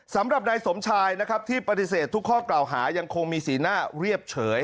สำหรับนายสมชายนะครับที่ปฏิเสธทุกข้อกล่าวหายังคงมีสีหน้าเรียบเฉย